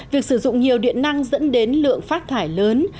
việc sử dụng nhiều điện năng dẫn đến lượng phát thải lớn